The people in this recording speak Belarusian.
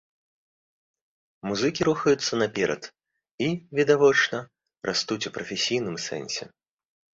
Музыкі рухаюцца наперад і, відавочна, растуць у прафесійным сэнсе.